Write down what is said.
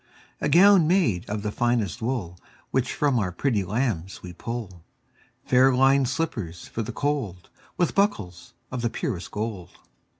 A gown made of the finest wool Which from our pretty lambs we pull; Fair linèd slippers for the cold, 15 With buckles of the purest gold.